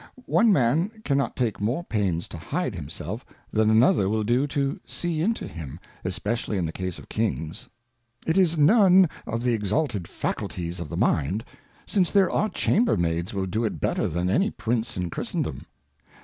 One Man cannot take more pains to hide himself, than another will do to see into him, especially in the Case of Kings. It is none of the exalted Faculties of the Mind, since there are Chamber Maids will do it better than any Prince in Christendom.